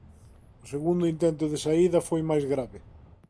O segundo intento de saída foi máis grave.